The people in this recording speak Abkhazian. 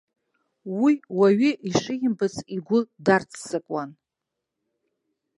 Уи уаҩы ишимбац игәы дарццакуан.